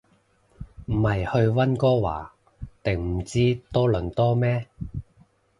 唔係去溫哥華定唔知多倫多咩